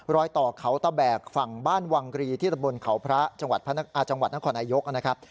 รอยต่อเขาตะแบกฝั่งบ้านวังรีที่ตะบนเขาพระจังหวัดนครนายกนะครับ